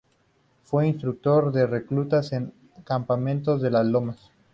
Fue instructor de reclutas en el campamento de Las Lomas.